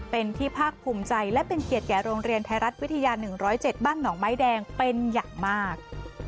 เป็นที่ภาคภูมิใจและเป็นเกียรติแก่โรงเรียนไทยรัฐวิทยา๑๐๗บ้านหนองไม้แดงเป็นอย่างมาก